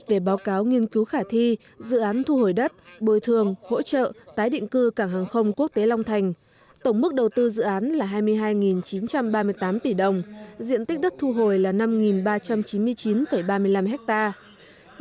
về báo cáo nghiên cứu khả thi dự án thu hồi đất bồi thường hỗ trợ tái định cư cảng hàng không quốc tế long thành tổng mức đầu tư dự án là hai mươi hai chín trăm ba mươi tám tỷ đồng diện tích đất thu hồi là năm ba trăm chín mươi chín ba mươi năm hectare